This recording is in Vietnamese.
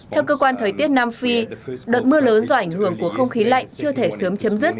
theo cơ quan thời tiết nam phi đợt mưa lớn do ảnh hưởng của không khí lạnh chưa thể sử dụng